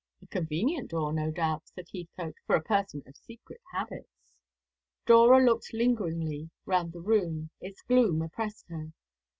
"A convenient door, no doubt," said Heathcote, "for a person of secret habits." Dora looked lingeringly round the room. Its gloom oppressed her.